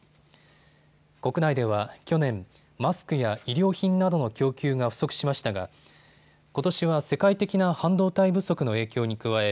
国内では去年、マスクや衣料品などの供給が不足しましたがことしは世界的な半導体不足の影響に加え